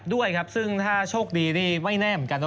ด้วยครับซึ่งถ้าโชคดีนี่ไม่แน่เหมือนกัน